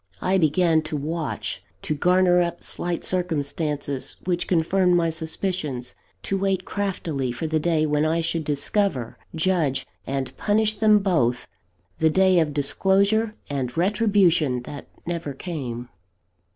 I began to watch; to garner up slight circumstances which confirmed my suspicions; to wait craftily for the day when I should discover, judge, and punish them both the day of disclosure and retribution that never came.